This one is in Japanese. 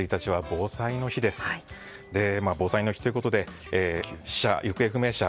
防災の日ということで死者・